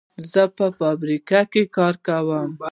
زه په فابریکه کې کار کوم.